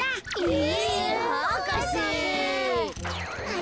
え！